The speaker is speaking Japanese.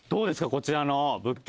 こちらの物件。